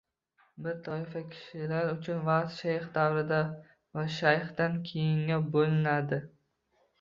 Bir toifa kishilar uchun vaqt “shayx davrida va shayxdan keyin”ga bo‘lindi.